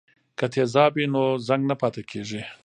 که تیزاب وي نو زنګ نه پاتې کیږي.